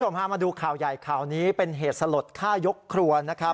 คุณผู้ชมพามาดูข่าวย่ายข่าวนี้เป็นเหตุสลดฆ่ายกครัวนะครับ